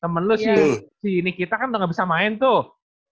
temen lu si nikita kan udah gak bisa main tuh